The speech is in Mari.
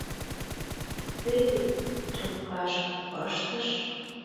Де Рюйт трубкажым пыштыш.